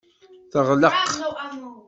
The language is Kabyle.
Teɣleq.